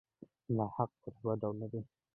لاحقې پر دوه ډوله دي.